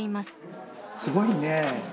すごいね。